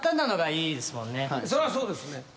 そらそうですね。